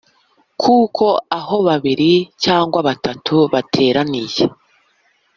Kuko aho babiri cyangwa batatu bateraniye